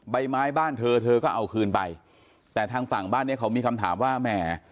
ใบไม้บ้านเธอเธอก็เอาคืนไปแต่ทางฝั่งบ้านเนี้ยเขามีคำถามว่าแหม